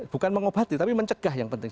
bukan mengobati tapi mencegah yang penting